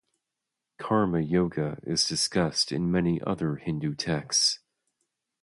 Karma yoga is discussed in many other Hindu texts.